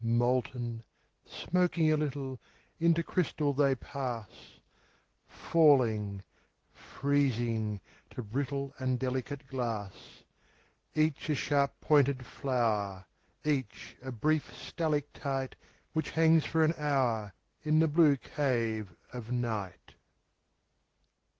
Molten, smoking a little, Into crystal they pass; Falling, freezing, to brittle And delicate glass. Each a sharp pointed flower, Each a brief stalactite Which hangs for an hour In the blue cave of night.